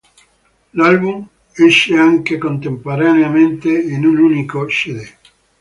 L'album esce anche contemporaneamente in un unico cd.